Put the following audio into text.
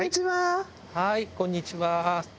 はいこんにちは。